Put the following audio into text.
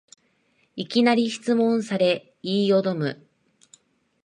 いきなり質問され言いよどむ